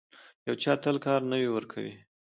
یو چل تل کار نه ورکوي.